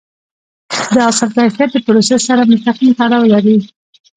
د حاصل کیفیت د پروسس سره مستقیم تړاو لري.